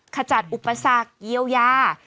ขจัดอุปสรรคเยียวยา